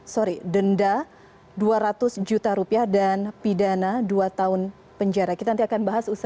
secara lebih komprensif